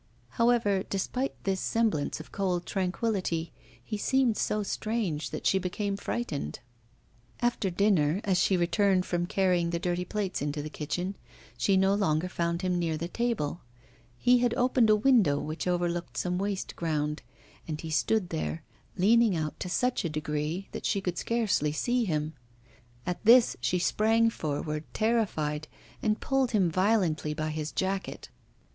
However, despite this semblance of cold tranquillity, he seemed so strange that she became frightened. After dinner, as she returned from carrying the dirty plates into the kitchen, she no longer found him near the table. He had opened a window which overlooked some waste ground, and he stood there, leaning out to such a degree that she could scarcely see him. At this she sprang forward, terrified, and pulled him violently by his jacket.